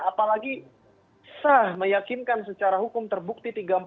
apalagi sah meyakinkan secara hukum terbukti tiga ratus empat puluh